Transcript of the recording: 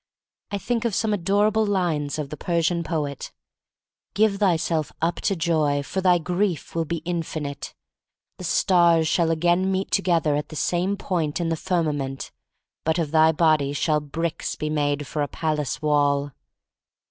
I think of some adorable lines of the Persian poet: "Give thyself up to Joy, for thy Grief will be infinite. The stars shall again meet together at the same point in the firmament, but of thy body shall bricks be made for a palace wall."